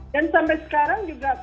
dan sampai sekarang